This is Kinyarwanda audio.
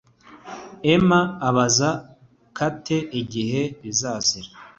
emma abaza kate igihe bazazira